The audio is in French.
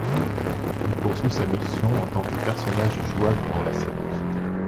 Il poursuit sa mission en tant que personnage jouable dans la série '.